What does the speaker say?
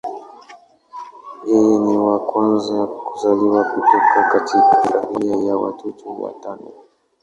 Yeye ni wa kwanza kuzaliwa kutoka katika familia ya watoto watano.